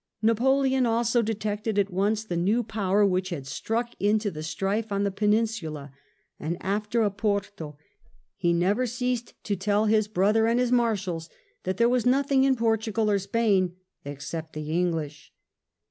Napoleon also detected at once the new power which had struck into the strife on the Peninsula, and, after Oporto, he never ceased to tell his brother and his Marshals that there was nothing in Portugal or Spain "except the English."